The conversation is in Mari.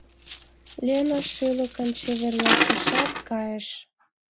Лена шӱлыкын чеверласышат, кайыш.